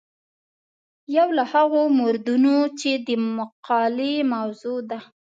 یو له هغو موردونو چې د مقالې موضوع ده.